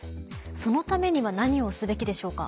そのためには何をすべきでしょうか？